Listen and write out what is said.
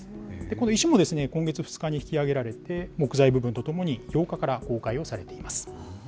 この石も、今月２日に引き揚げられて、木材部分とともに、８日から公開をされています。